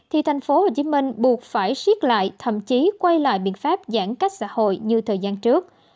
thì thành phố hồ chí minh buộc phải xiết lại thậm chí quay lại biện pháp giãn cách xã hội như thời gian trước